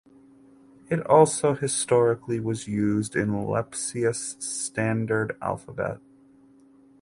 It also historically was used in Lepsius Standard Alphabet.